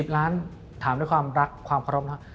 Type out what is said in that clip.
๔๐ล้านถามด้วยความรักความพร้อมนะครับ